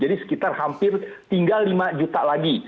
jadi sekitar hampir tinggal lima juta lagi